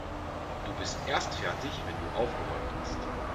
Du bist erst fertig, wenn du aufgeräumt hast.